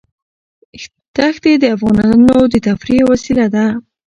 دښتې د افغانانو د تفریح یوه وسیله ده.